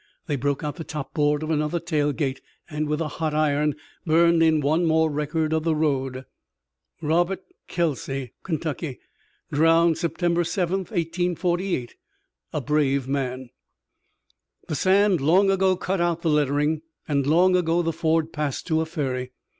They broke out the top board of another tail gate, and with a hot iron burned in one more record of the road: "Rob't. Kelsey, Ky. Drowned Sept. 7, 1848. A Brave Man." The sand long ago cut out the lettering, and long ago the ford passed to a ferry.